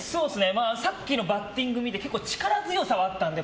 さっきのバッティングを見て力強さはあったので。